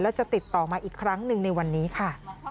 และจะติดต่อมาอีกครั้งหนึ่งในวันนี้ค่ะ